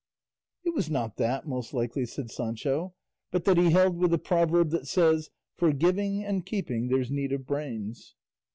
"It was not that, most likely," said Sancho, "but that he held with the proverb that says, 'For giving and keeping there's need of brains.